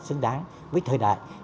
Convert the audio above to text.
xứng đáng với thời đại